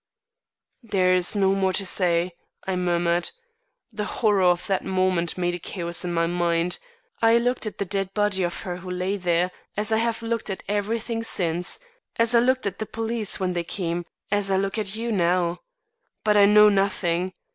"There is no more to say," I murmured. "The horror of that moment made a chaos in my mind. I looked at the dead body of her who lay there as I have looked at everything since; as I looked at the police when they came as I look at you now. But I know nothing.